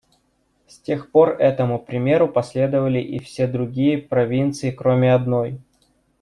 С тех пор этому примеру последовали и все другие провинции, кроме одной.